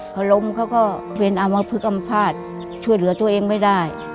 เขาล้มเขาก็เป็นอามพลึกอำภาษณ์ช่วยเหลือตัวเองไม่ได้